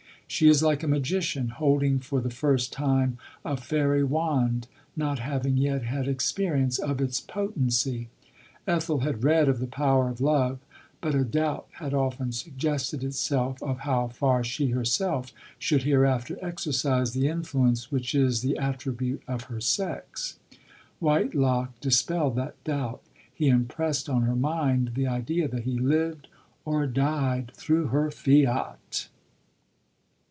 She is like a magician holding: for the first time a fairy wand, not having yet had exp< rience of its poteney. Ethel had read of the power of love ; but a doubt had often suggested itself, of how far she herself should hereafter exerci the influence which is the attribute of her sex. Whitelock dispelled that doubt. He impressed on her mind the idea that he lived or died through her fiat.